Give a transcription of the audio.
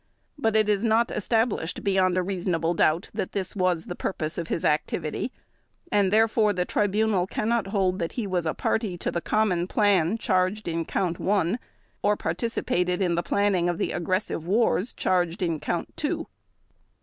But it is not established beyond a reasonable doubt that this was the purpose of his activity, and therefore the Tribunal cannot hold that he was a party to the common plan charged in Count One or participated in the planning of the aggressive wars charged under Count Two.